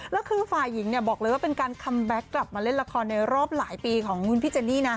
แล้วคือฝ่ายหญิงเนี่ยบอกเลยว่าเป็นการคัมแบ็คกลับมาเล่นละครในรอบหลายปีของคุณพี่เจนนี่นะ